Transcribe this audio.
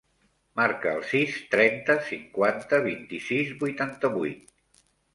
Marca el sis, trenta, cinquanta, vint-i-sis, vuitanta-vuit.